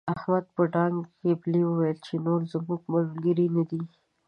احمد په ډانګ پېيلې وويل چې نور زموږ ملګری نه دی.